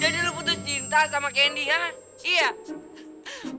jadi kamu putus cinta sama candy kan